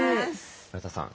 村田さん